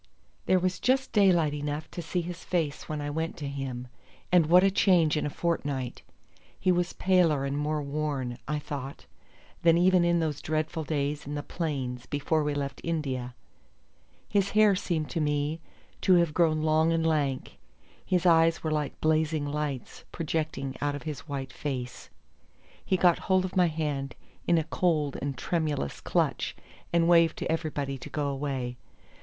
There was just daylight enough to see his face when I went to him; and what a change in a fortnight! He was paler and more worn, I thought, than even in those dreadful days in the plains before we left India. His hair seemed to me to have grown long and lank; his eyes were like blazing lights projecting out of his white face. He got hold of my hand in a cold and tremulous clutch, and waved to everybody to go away.